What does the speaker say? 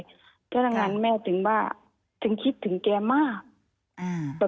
เพราะฉะนั้นแม่ถึงว่าถึงคิดถึงแกมาก